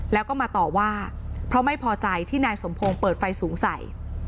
แล้วก็มาต่อว่าเพราะไม่พอใจที่นายสมพงศ์เปิดไฟสูงใส